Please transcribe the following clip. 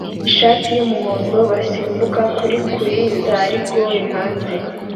ishati yumuhondo basimbuka kuri kuri za rigore hanze